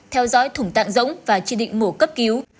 theo dõi thủng tạng rỗng và chỉ định mổ cấp cứu